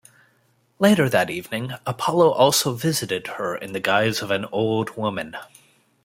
Later that evening Apollo also visited her in the guise of an old woman.